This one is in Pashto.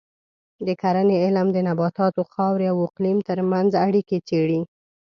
د کرنې علم د نباتاتو، خاورې او اقلیم ترمنځ اړیکې څېړي.